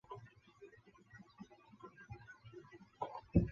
从耳后到颈部的颅骨线条平滑流畅。